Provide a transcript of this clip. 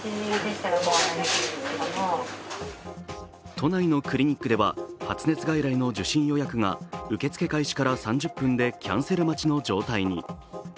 都内のクリニックでは発熱外来の受診予約が受付開始から３０分でキャンセル待ちの状態に。